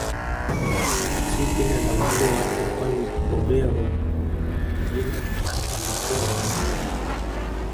Si jina la ukoo wake kwani Kobero ni jina analopewa mtoto